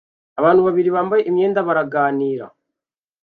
Abantu babiri bambaye imyenda baraganira